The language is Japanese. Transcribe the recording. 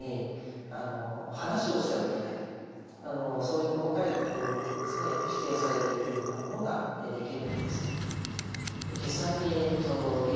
そういう細かいところまで規定されていくようなものができるんです。